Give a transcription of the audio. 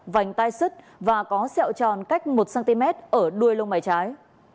vành tai sứt và có xẹo tròn cách một cm ở đuôi lông mày trái